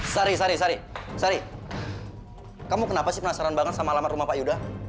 sari sari sari sari kamu kenapa sih penasaran banget sama alamat rumah pak yuda